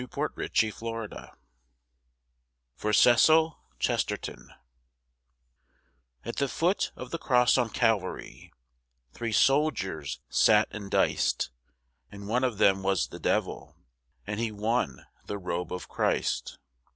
The Robe of Christ (For Cecil Chesterton) At the foot of the Cross on Calvary Three soldiers sat and diced, And one of them was the Devil And he won the Robe of Christ.